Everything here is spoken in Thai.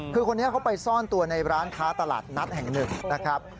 คือคนนี้เขาไปซ่อนตัวในร้านค้าตลาดนัดแห่งหนึ่งนะครับ